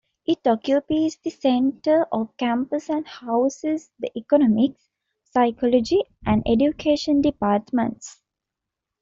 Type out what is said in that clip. It occupies the center of campus and houses the economics, psychology and education departments.